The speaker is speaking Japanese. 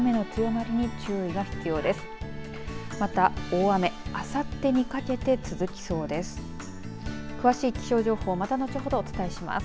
また、大雨あさってにかけて続きそうです。